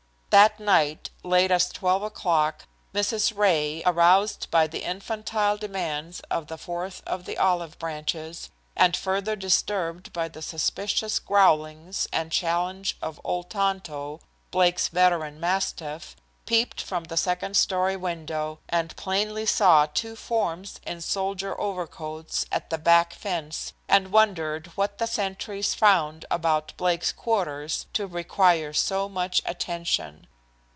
That night, late as twelve o'clock, Mrs. Ray, aroused by the infantile demands of the fourth of the olive branches, and further disturbed by the suspicious growlings and challenge of old Tonto, Blake's veteran mastiff, peeped from the second story window and plainly saw two forms in soldier overcoats at the back fence, and wondered what the sentries found about Blake's quarters to require so much attention.